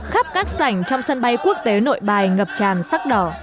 khắp các sảnh trong sân bay quốc tế nội bài ngập tràn sắc đỏ